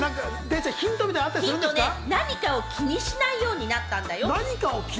何かを気にしないようになったんだよ。